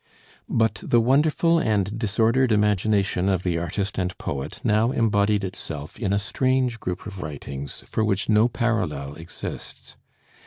But the wonderful and disordered imagination of the artist and poet now embodied itself in a strange group of writings for which no parallel exists.